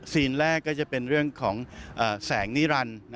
ซีนแรกก็จะเป็นเรื่องของแสงนิวรัน